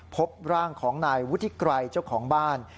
พบร่างของนายวุฒิไกรเจ้าของบ้าน